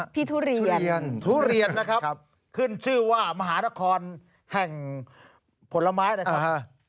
ทุเรียนทุเรียนนะครับขึ้นชื่อว่ามหานครแห่งผลไม้นะครับ